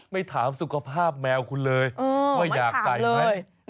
ไม่ถามสุขภาพแมวคุณเลยว่าอยากใส่ไหม